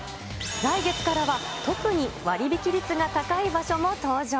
来月からは特に割引率が高い場所も登場。